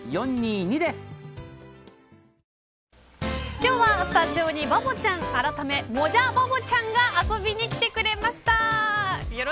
今日はスタジオにバボちゃん改めもじゃバボちゃんが遊びに来てくれました。